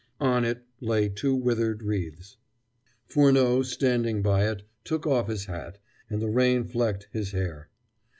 On it lay two withered wreaths. Furneaux, standing by it, took off his hat, and the rain flecked his hair.